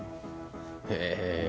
へえ！